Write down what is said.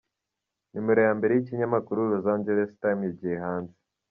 Numero ya mbere y’ikinyamakuru Los Angeles Times yagiye hanze.